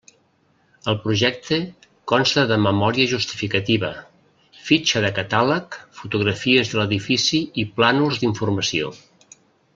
El projecte consta de memòria justificativa, fitxa del catàleg, fotografies de l'edifici i plànols d'informació.